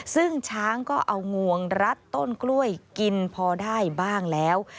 ซึ่งช้างก็เอางวงรัดต้นกล้วยกินพอได้บ้างแล้ว